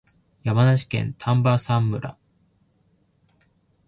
山梨県丹波山村